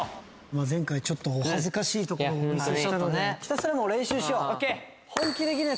前回、ちょっとお恥ずかしいところをお見せしたので。